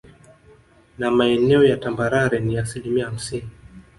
Na maeneo ya tambarare ni asilimia hamsini